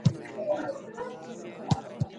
دا وطن به زرغونیږي.